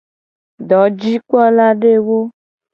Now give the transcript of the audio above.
Dojikpotodewo.